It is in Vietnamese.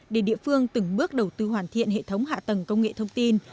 để địa phương từng bước đầu tư hoàn thiện hệ thống hạ tầng công nghệ thông tin